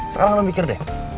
sekarang lo mikir deh